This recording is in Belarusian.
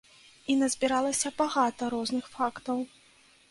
І назбіралася багата розных фактаў.